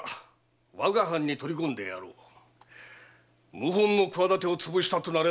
謀反の企てを潰したとなれば大手柄。